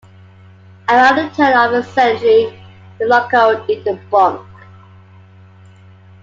Around the turn of the century, the loco did a 'bunk'.